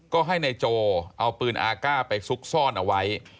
ก็ให้นายโจเอาปืนอาก้าไปซุกซ่อนเอาไว้